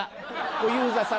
「小遊三さん